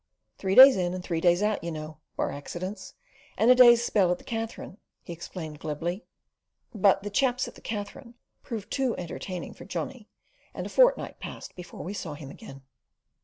Three days in and three out, you know, bar accidents, and a day's spell at the Katherine," he explained glibly. But the "chaps at the Katherine" proved too entertaining for Johnny, and a fortnight passed before we saw him again.